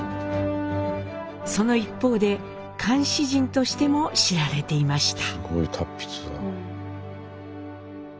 その一方で漢詩人としても知られていました。